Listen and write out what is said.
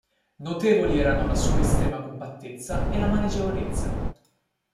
Notevoli erano la sua estrema compattezza e la maneggevolezza.